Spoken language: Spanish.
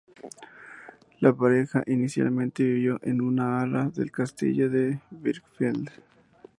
La pareja inicialmente vivió en un ala del Castillo de Birkenfeld.